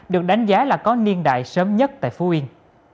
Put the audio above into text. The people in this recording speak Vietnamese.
được đánh giá là có niên đại sớm nhất tại phú yên